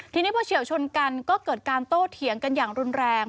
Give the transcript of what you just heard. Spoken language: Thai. ทีนี้พอเฉียวชนกันก็เกิดการโต้เถียงกันอย่างรุนแรง